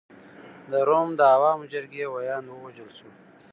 د روم د عوامو جرګې ویاند ووژل شو.